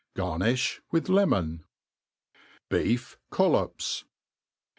GarniQi "with lemonj Beef ColUp^.